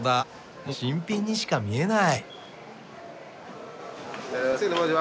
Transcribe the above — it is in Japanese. もう新品にしか見えない。